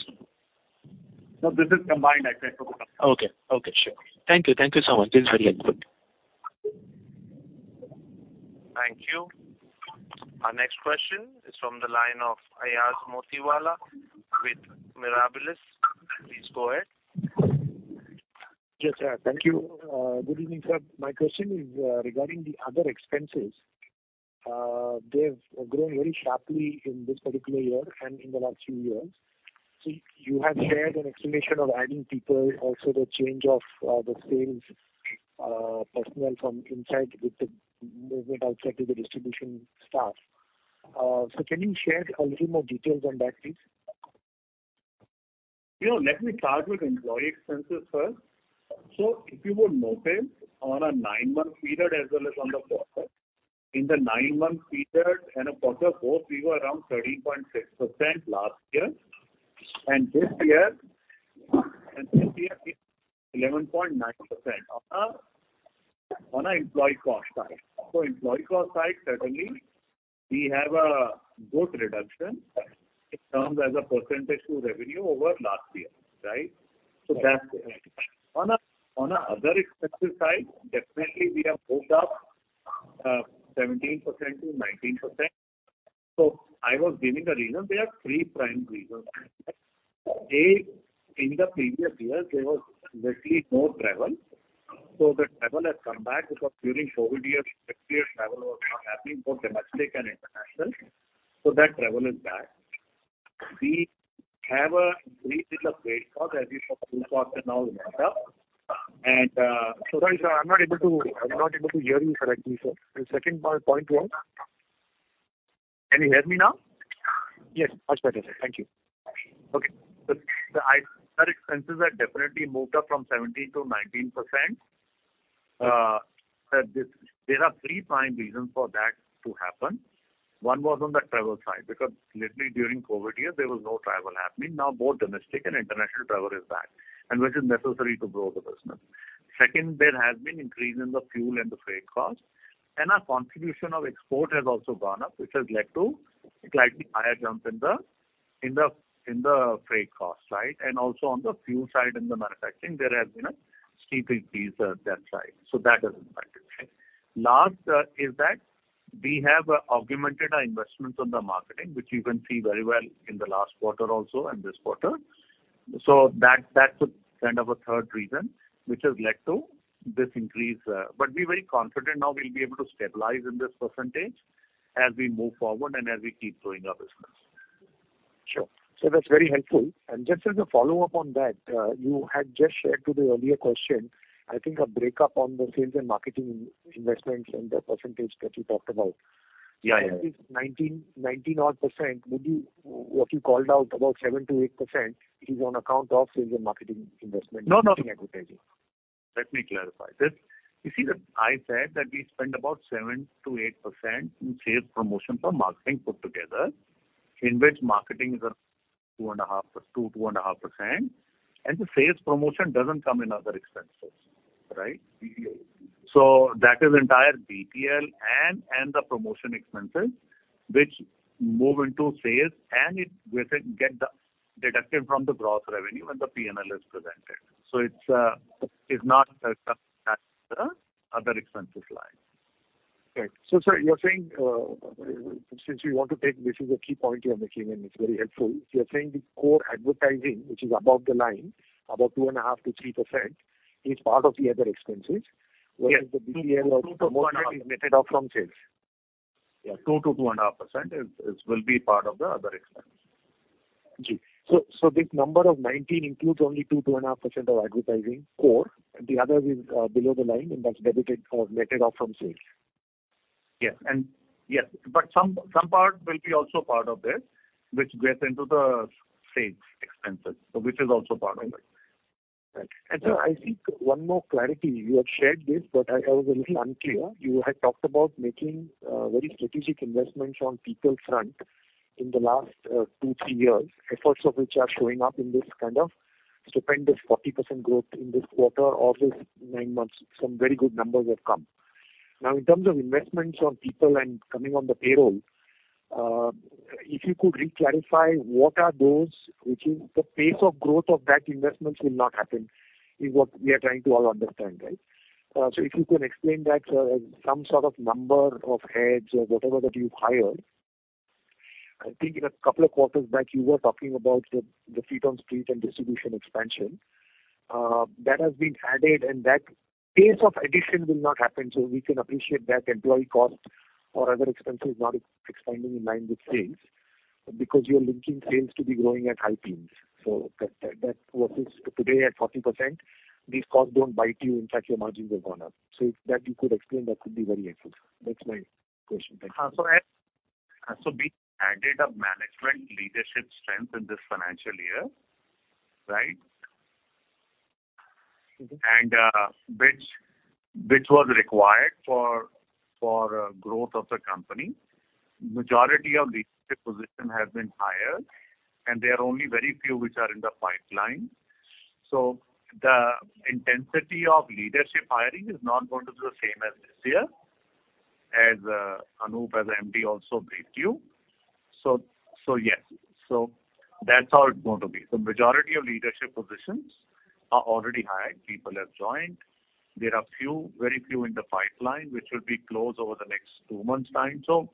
No, this is combined, I said. Okay. Okay, sure. Thank you. Thank you so much. This is very helpful. Thank you. Our next question is from the line of Ayaz Motiwala with Nivalis Partners. Please go ahead. Yes, sir. Thank you. Good evening, sir. My question is, regarding the other expenses. They've grown very sharply in this particular year and in the last few years. So you have shared an explanation of adding people, also the change of, the sales, personnel from inside with the movement outside to the distribution staff. So can you share a little more details on that, please? You know, let me start with employee expenses first. So if you would notice, on a nine-month period as well as in the nine months previous and across the board, we were around 13.6% last year, and this year it's 11.9% on the employee cost side. So employee cost side, certainly we have a good reduction in terms as a percentage of revenue over last year, right? So that's it. On the other expenses side, definitely we have moved up 17% to 19%. So I was giving a reason. There are three prime reasons. A, in the previous years, there was literally no travel, so the travel has come back because during COVID years, travel was not happening, both domestic and international. So that travel is back. We have a little bit of freight cost as you from quarter now we went up. And Sorry, sir, I'm not able to, I'm not able to hear you correctly, sir. Your second point, point was? Can you hear me now? Yes, much better, sir. Thank you. Okay. The other expenses have definitely moved up from 17% to 19%. There are three prime reasons for that to happen. One was on the travel side, because literally during COVID years, there was no travel happening. Now, both domestic and international travel is back, and which is necessary to grow the business. Second, there has been increase in the fuel and the freight cost, and our contribution of export has also gone up, which has led to a slightly higher jump in the freight cost, right? And also on the fuel side, in the manufacturing, there has been a steeper increase at that side. So that is impacted, right? Last, is that we have augmented our investments on the marketing, which you can see very well in the last quarter also and this quarter. So that, that's the kind of a third reason which has led to this increase. But we're very confident now we'll be able to stabilize in this percentage as we move forward and as we keep growing our business. Sure. That's very helpful. Just as a follow-up on that, you had just shared to the earlier question, I think a breakdown on the sales and marketing investments and the percentage that you talked about. Yeah, yeah. 19, 19 odd %, would you- what you called out, about 7% to 8% is on account of sales and marketing investment- No, no. Advertising. Let me clarify this. You see that I said that we spend about 7% to 8% in sales promotion for marketing put together, in which marketing is a 2.5%, two, 2.5%, and the sales promotion doesn't come in other expenses, right? Yes. So that is entire BTL and the promotion expenses which move into sales and it we get deducted from the gross revenue when the P&L is presented. So it's not as other expenses line. Okay. So, sir, you're saying, since we want to take this is a key point you have making and it's very helpful. You're saying the core advertising, which is above the line, about 2.5% to 3%, is part of the other expenses. Yes. Whereas the BTL. 2% to 2.5%. From sales. Yeah, 2% to 2.5% is will be part of the other expense. So, this number of 19 includes only 2, 2.5% of advertising core, and the other is below the line, and that's debited or netted off from sales. Yes, but some part will be also part of this, which goes into the sales expenses, so which is also part of it. Right. So I think one more clarity. You have shared this, but I was a little unclear. You had talked about making very strategic investments on people front in the last two to three years, efforts of which are showing up in this kind of stupendous 40% growth in this quarter or this nine months. Some very good numbers have come. Now, in terms of investments on people and coming on the payroll, if you could reclarify what are those, which is the pace of growth of that investment will not happen, is what we are trying to all understand, right? So if you can explain that, some sort of number of heads or whatever that you've hired. I think in a couple of quarters back, you were talking about the feet on street and distribution expansion that has been added, and that pace of addition will not happen. So we can appreciate that employee cost or other expenses not expanding in line with sales, because you're linking sales to be growing at high teens. So that, what is today at 40%, these costs don't bite you. In fact, your margins have gone up. So if that you could explain, that would be very helpful. That's my question. Thank you. So we added a management leadership strength in this financial year, right? Mm-hmm. Which was required for growth of the company. Majority of leadership position have been hired, and there are only very few which are in the pipeline. So the intensity of leadership hiring is not going to be the same as this year, as Anoop, as MD, also briefed you. So yes, that's how it's going to be. So majority of leadership positions are already hired. People have joined. There are few, very few in the pipeline, which will be closed over the next two months time. So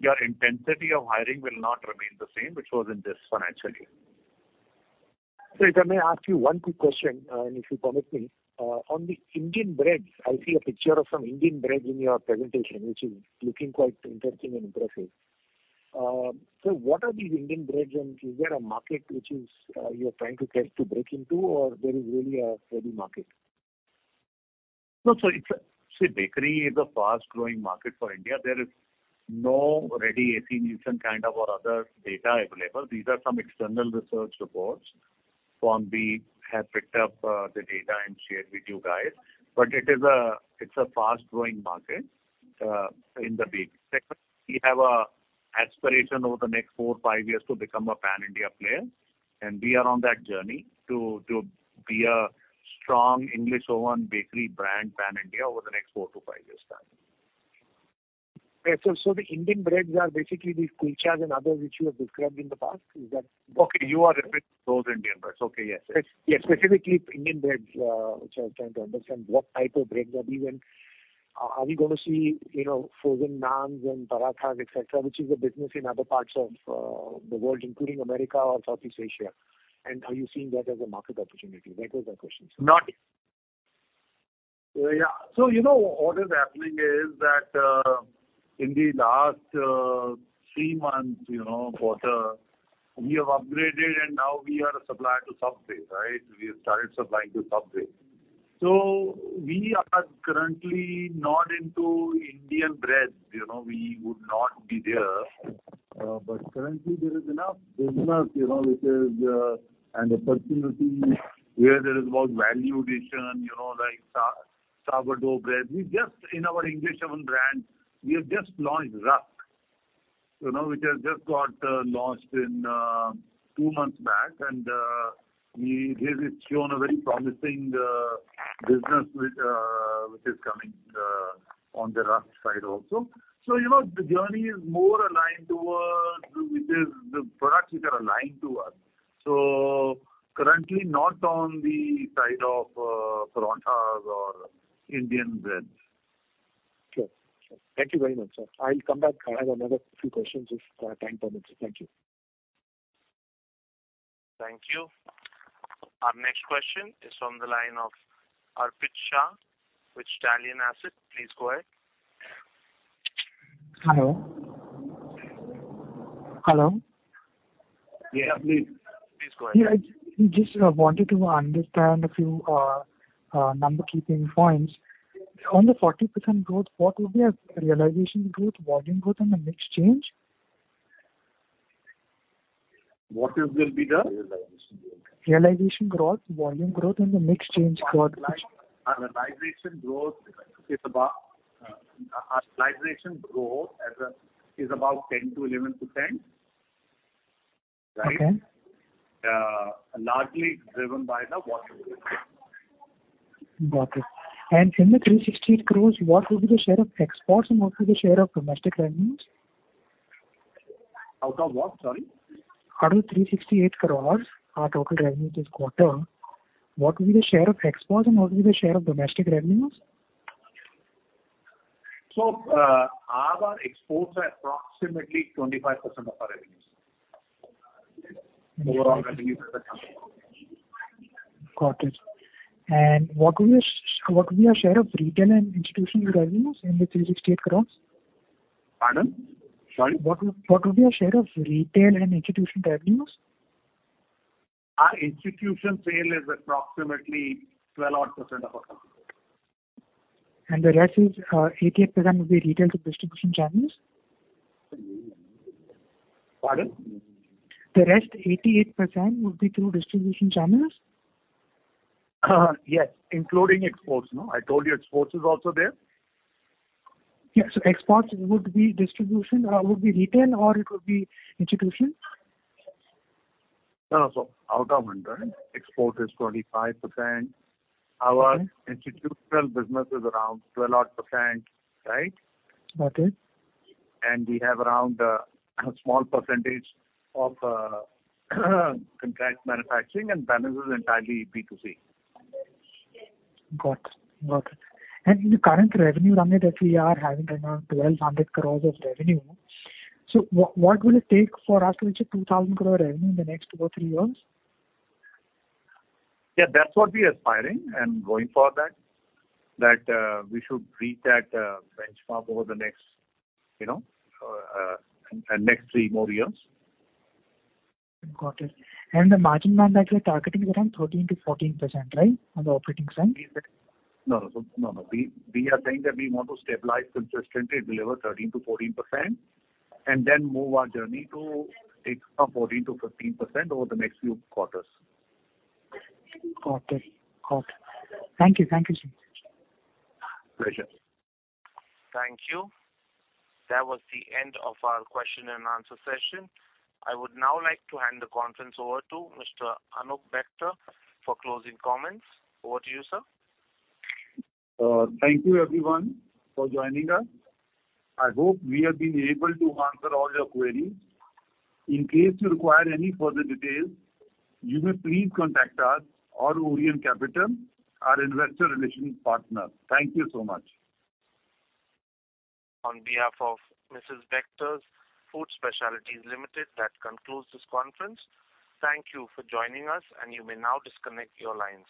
your intensity of hiring will not remain the same, which was in this financial year. Sir, if I may ask you one quick question, and if you permit me. On the Indian breads, I see a picture of some Indian breads in your presentation, which is looking quite interesting and impressive. So what are these Indian breads, and is there a market which is, you are trying to get to break into, or there is really a ready market? No, so it's a... See, bakery is a fast-growing market for India. There is no ready AC Nielsen kind of or other data available. These are some external research reports.... from we have picked up, the data and shared with you guys, but it is a, it's a fast-growing market, in the bakery sector. We have a aspiration over the next four to five years to become a pan-India player, and we are on that journey to, to be a strong English Oven bakery brand pan-India over the next four to five years time. Okay. So, the Indian breads are basically the kulchas and others which you have described in the past, is that? Okay, you are referring to those Indian breads. Okay, yes. Yes, specifically Indian breads, which I'm trying to understand what type of breads are these, and are we gonna see, you know, frozen naans and parathas, et cetera, which is a business in other parts of, the world, including America or Southeast Asia? And are you seeing that as a market opportunity? Those are questions. Yeah. So, you know, what is happening is that, in the last three months, you know, quarter, we have upgraded and now we are a supplier to Subway, right? We have started supplying to Subway. So we are currently not into Indian breads, you know, we would not be there, but currently there is enough business, you know, which is an opportunity where there is more value addition, you know, like sourdough bread. We just, in our English Oven brand, we have just launched Rusk, you know, which has just got launched two months back, and it has shown a very promising business which is coming on the Rusk side also. So, you know, the journey is more aligned towards the products which are aligned to us. Currently not on the side of parathas or Indian breads. Sure. Sure. Thank you very much, sir. I'll come back. I have another few questions if time permits. Thank you. Thank you. Our next question is from the line of Arpit Shah with Stallion Asset. Please go ahead. Hello? Hello. Yeah, please. Please go ahead. Yeah, I just wanted to understand a few number keeping points. On the 40% growth, what will be a realization growth, volume growth, and the mix change? What will be the- Realization growth, volume growth, and the mix change growth. Our realization growth as a is about 10% to 11%. Okay. Largely driven by the latter. Got it. In the 368 crore, what will be the share of exports and what will be the share of domestic revenues? Out of what, sorry? Out of 368 crore, our total revenues this quarter, what will be the share of exports and what will be the share of domestic revenues? Our exports are approximately 25% of our revenues. Overall revenues as a company. Got it. What will be our share of retail and institutional revenues in the 368 crore? Pardon? Sorry. What will be our share of retail and institutional revenues? Our institutional sales is approximately 12-odd% of our company. And the rest is 88% will be retail to distribution channels? Pardon? The rest, 88%, would be through distribution channels? Yes, including exports, no? I told you, exports is also there. Yeah, so exports would be distribution, would be retail or it would be institution? Out of 100, export is 25%. Okay. Our institutional business is around 12 odd%, right? Got it. We have around a small percentage of contract manufacturing, and balance is entirely B2C. Got it. Got it. And in the current revenue run that we are having around 1,200 crore of revenue, so what will it take for us to reach a 2,000 crore revenue in the next two or three years? Yeah, that's what we are aspiring and going for that, we should reach that benchmark over the next, you know, next three more years. Got it. The margin run that you're targeting is around 13% to 14%, right? On the operating side. No, no, no, no. We are saying that we want to stabilize consistently, deliver 13% to 4%, and then move our journey to take up 14% to 15% over the next few quarters. Got it. Got it. Thank you. Thank you, sir. Pleasure. Thank you. That was the end of our question and answer session. I would now like to hand the conference over to Mr. Anoop Bector for closing comments. Over to you, sir. Thank you everyone for joining us. I hope we have been able to answer all your queries. In case you require any further details, you may please contact us or Orient Capital, our investor relations partner. Thank you so much. On behalf of Mrs. Bectors Food Specialities Limited, that concludes this conference. Thank you for joining us, and you may now disconnect your lines.